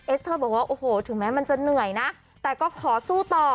เอสเธอบอกว่าถึงแม้มันจะเหนื่อยนะแต่ก็ขอสู้ต่อ